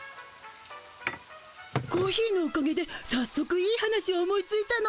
コーヒーのおかげでさっそくいい話を思いついたの。